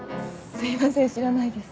すいません知らないです。